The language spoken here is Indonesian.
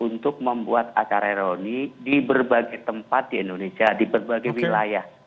untuk membuat acara reuni di berbagai tempat di indonesia di berbagai wilayah